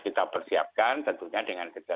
kita persiapkan tentunya dengan